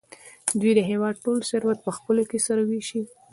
دوی د هېواد ټول ثروت په خپلو کې سره وېشي.